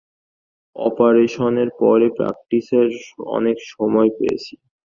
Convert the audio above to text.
অপারেশনের পরে প্র্যাকটিসের অনেক সময় পেয়েছি।